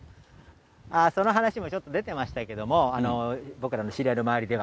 その話もちょっと出てましたけれども、僕らの知り合いの周りでは。